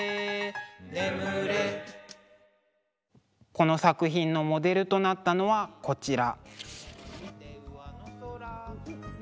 この作品のモデルとなったのはこちら。